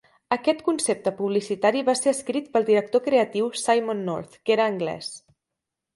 Aquest concepte publicitari va ser escrit pel director creatiu Simon North, que era anglès.